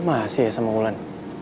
kok masih ya sama wulan